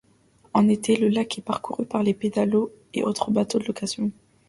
En été, le lac est parcouru par les pédalos et autres bateaux de location.